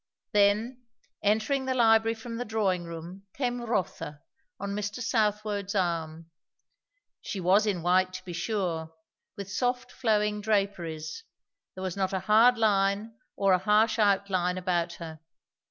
Then, entering the library from the drawing room, came Rotha, on Mr. Southwode's arm. She was in white to be sure, with soft flowing draperies; there was not a hard line or a harsh outline about her.